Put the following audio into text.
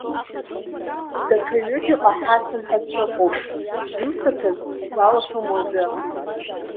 Даҽа ҩыџьаҟа ҳацын ҳәа сыҟоуп, изусҭцәаз сгәалашәом уажәы.